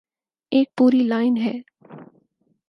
ایک پوری لائن ہے۔